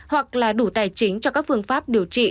hoặc là đủ tài chính cho các phương pháp điều trị